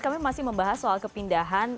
kami masih membahas soal kepindahan